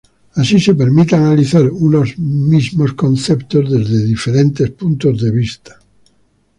Así se permite analizar unos mismos conceptos desde diferentes puntos de vista.